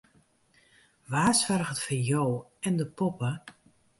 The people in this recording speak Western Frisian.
Wa soarget foar jo en de poppe?